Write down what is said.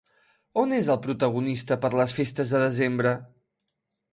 On és, el protagonista, per les festes de desembre?